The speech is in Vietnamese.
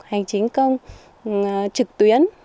hành chính công trực tuyến